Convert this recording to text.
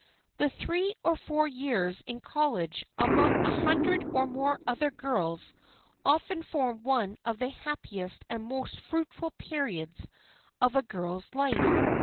The three or four years in college among a hundred or more other girls often form one of the happiest and most fruitful periods of a girl's life.